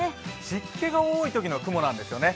湿気が多いときの雲なんですよね。